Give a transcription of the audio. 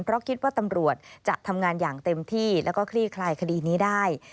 เพราะคิดว่าตำรวจจะทำงานอย่างเต็มที่แล้วก็คลี่คลายคดีนี้ได้